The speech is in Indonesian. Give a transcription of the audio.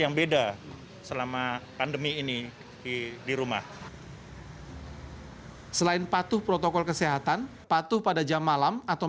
yang beda selama pandemi ini di rumah selain patuh protokol kesehatan patuh pada jam malam atau